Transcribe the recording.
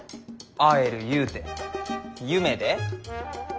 会えるゆうて夢で？